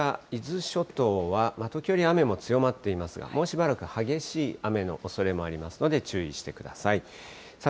沖縄や伊豆諸島は時折、雨も強まっていますが、もうしばらく激しい雨のおそれもありますので、注意してください。